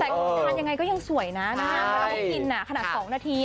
แต่คุณทานยังไงก็ยังสวยนะเราก็กินขนาด๒นาที